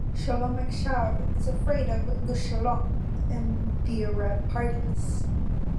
"Shalom Achshav" is afraid of "Gush Shalom" and the Arab parties.